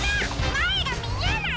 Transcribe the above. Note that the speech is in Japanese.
まえがみえない！